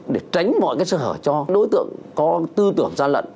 để tránh mọi cái sơ hở cho đối tượng có tư tưởng gian lận